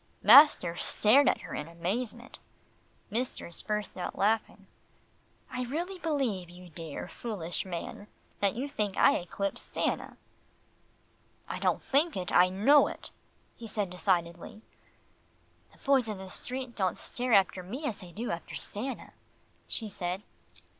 Master stared at her in amazement. Mistress burst out laughing. "I really believe, you dear, foolish man, that you think I eclipse Stanna." "I don't think it, I know it," he said decidedly. "The boys in the street don't stare after me as they do after Stanna," she said.